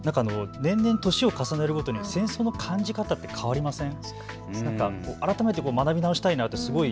年々、年を重ねるごとに戦争の感じ方って変わりません？